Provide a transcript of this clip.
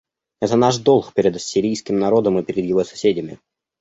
Это наш долг перед сирийским народом и перед его соседями.